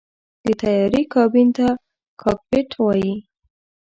د طیارې کابین ته “کاکپټ” وایي.